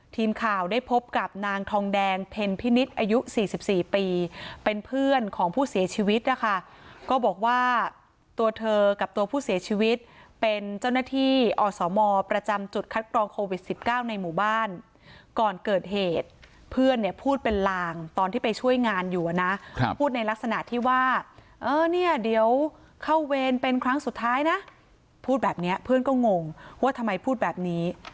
ทีมข่าวได้พบกับนางทองแดงเพ็ญพินิษฐ์อายุ๔๔ปีเป็นเพื่อนของผู้เสียชีวิตนะคะก็บอกว่าตัวเธอกับตัวผู้เสียชีวิตเป็นเจ้าหน้าที่อสมประจำจุดคัดกรองโควิด๑๙ในหมู่บ้านก่อนเกิดเหตุเพื่อนเนี่ยพูดเป็นลางตอนที่ไปช่วยงานอยู่นะพูดในลักษณะที่ว่าเออเนี่ยเดี๋ยวเข้าเวรเป็นครั้งสุดท้ายนะพูดแบบนี้เพื่อนก็งงว่าทำไมพูดแบบนี้